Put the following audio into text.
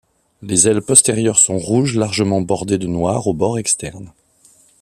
Les ailes postérieures sont rouges largement bordées de noir au bord externe.